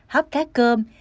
hóp cá cơm